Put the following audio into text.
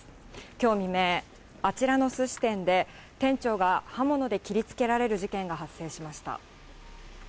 きょう未明、あちらのすし店で店長が刃物で切りつけられる事件が発生しました。